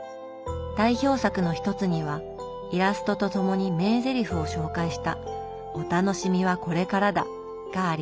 代表作の一つにはイラストとともに名ゼリフを紹介した「お楽しみはこれからだ」があります。